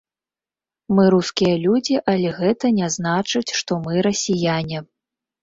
Мы рускія людзі, але гэта не значыць, што мы расіяне.